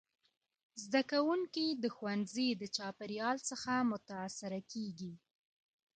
زدهکوونکي د ښوونځي د چاپېریال څخه متاثره کيږي.